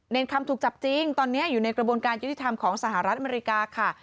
คำถูกจับจริงตอนนี้อยู่ในกระบวนการยุติธรรมของสหรัฐอเมริกาค่ะ